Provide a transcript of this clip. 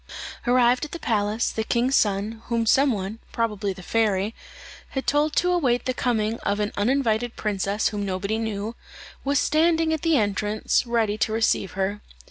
Arrived at the palace, the king's son, whom some one, probably the fairy, had told to await the coming of an uninvited princess whom nobody knew, was standing at the entrance, ready to receive her.